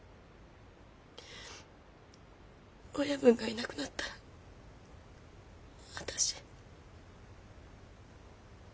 親分がいなくなったら私。